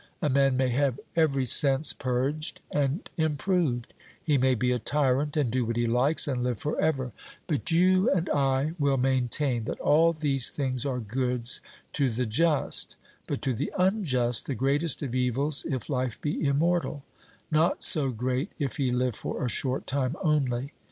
A man may have every sense purged and improved; he may be a tyrant, and do what he likes, and live for ever: but you and I will maintain that all these things are goods to the just, but to the unjust the greatest of evils, if life be immortal; not so great if he live for a short time only.